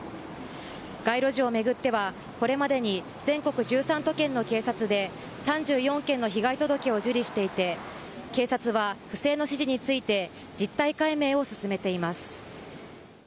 街路樹を巡ってはこれまでに全国１３都県の警察で３４件の被害届を受理していて警察は不正の指示について実態解明を進めています。